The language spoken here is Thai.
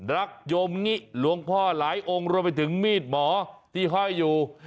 รักยมงิหลวงพ่อหลายองค์รวมไปถึงมีดหมอที่ห้อยอยู่